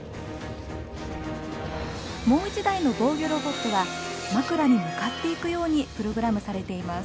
もう１台の防御ロボットは枕に向かっていくようにプログラムされています。